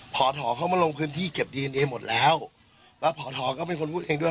พอถอเขามาลงพื้นที่เก็บดีเอนเอหมดแล้วแล้วพอท้อก็เป็นคนพูดเองด้วย